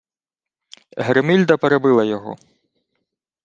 Гримільда перебила його: